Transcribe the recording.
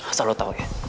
asal lo tau ya